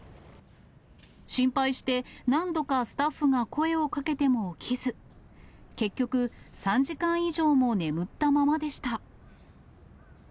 心配して何度かスタッフが声をかけても起きず、結局、３時間以上も眠ったままでした。